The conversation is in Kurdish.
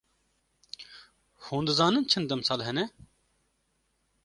Hûn dizanin çend demsal hene?